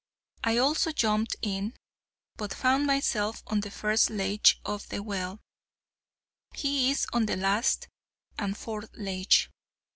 I also jumped in, but found myself on the first ledge of the well; he is on the last and fourth ledge.